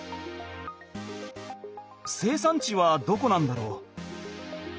生産地はどこなんだろう。